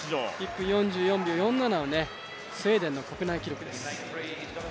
１分４４秒４７をスウェーデンの国内記録です。